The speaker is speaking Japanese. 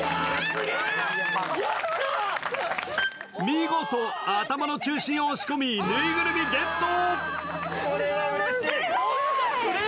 見事、頭の中心を押し込みぬいぐるみゲット！